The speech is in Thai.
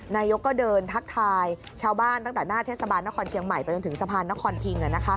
นายกก็เดินทักทายชาวบ้านตั้งแต่หน้าเทศบาลนครเชียงใหม่ไปจนถึงสะพานนครพิง